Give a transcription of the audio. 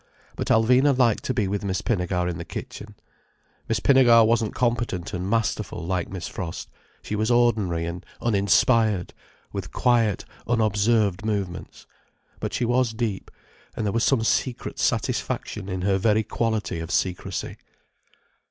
But Alvina liked to be with Miss Pinnegar in the kitchen. Miss Pinnegar wasn't competent and masterful like Miss Frost: she was ordinary and uninspired, with quiet, unobserved movements. But she was deep, and there was some secret satisfaction in her very quality of secrecy.